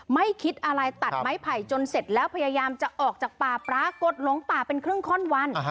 ไม่คิดอะไรตัดไม้ไผ่จนเสร็จแล้วพยายามจะออกจากป่าปรากฏหลงป่าเป็นครึ่งข้อนวัน